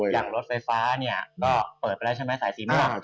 อย่างรถไฟฟ้าเนี่ยก็เปิดไปแล้วใช่ไหมสายสีเหมือนกัน